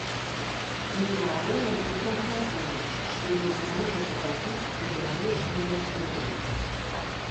Метэаролагі прагназуюць, што ён можа затапіць прыбярэжныя зоны.